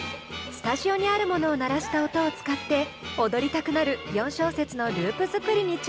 スタジオにあるものを鳴らした音を使って踊りたくなる４小節のループ作りに挑戦します。